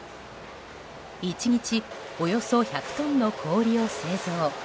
１日およそ１００トンの氷を製造。